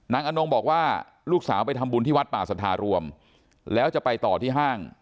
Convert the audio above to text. อนงบอกว่าลูกสาวไปทำบุญที่วัดป่าสัทธารวมแล้วจะไปต่อที่ห้าง